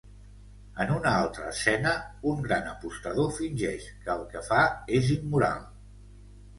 En una altra escena, un gran apostador fingeix que el que fa és immoral.